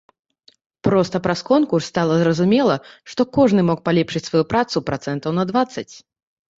Проста праз конкурс стала зразумела, што кожны мог палепшыць сваю працу працэнтаў на дваццаць.